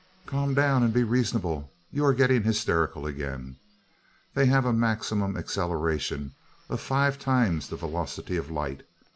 "Calm down and be reasonable you are getting hysterical again. They have a maximum acceleration of five times the velocity of light.